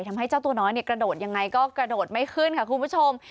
ให้เจ้าตัวน้อยเนี่ยกระโดดอย่างไรก็กระโดดไม่ขึ้นค่ะคุณผู้ชม